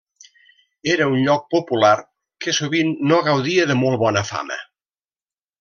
Era un lloc popular, que sovint no gaudia de molt bona fama.